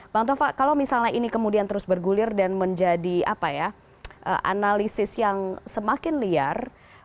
bang tova kalau misalnya ini kemudian terus bergulir dan menjadi analisis yang semakin liar